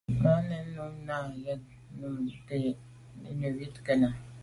Màa nèn mum nà i num neywit kena.